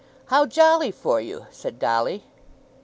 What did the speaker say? "How jolly for you!" said Dolly.